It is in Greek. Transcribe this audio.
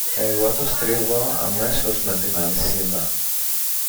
Εγώ το στρίβω αμέσως με την αλυσίδα